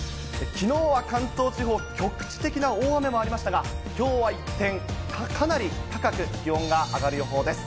きのうは関東地方、局地的な大雨もありましたが、きょうは一転、かなり高く気温が上がる予報です。